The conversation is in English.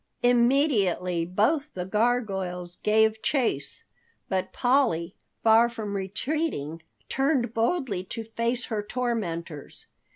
Immediately both the gargoyles gave chase, but Polly, far from retreating, turned boldly to face her tormentors.